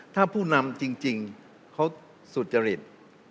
ถ้าผู้นำจริงเขาสุจริต